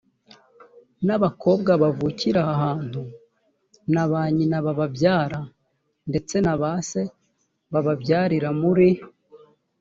n abakobwa bavukira aha hantu na ba nyina bababyara ndetse na ba se bababyarira muri